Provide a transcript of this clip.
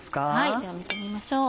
では見てみましょう。